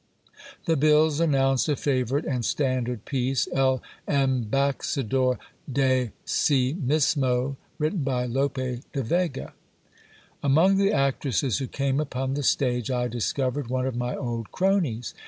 The bills announced a favourite and standard piece : El Embaxador de Si mismo, written by Lope de Vega. Among the actresses who came upon the stage, I discovered one of my old cronies.